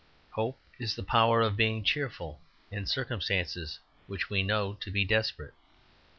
Hope is the power of being cheerful in circumstances which we know to be desperate.